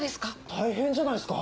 大変じゃないっすか！